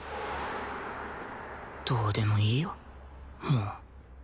どうでもいいよもう